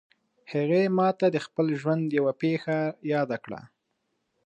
هغې ما ته د خپل ژوند یوه پېښه یاده کړه